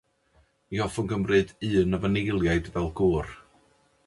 Ni hoffwn gymryd un o fy neiliaid fel gŵr...